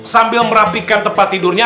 sambil merapikan tempat tidurnya